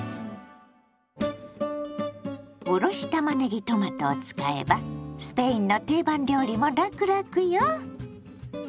おろしたまねぎトマトを使えばスペインの定番料理もラクラクよ！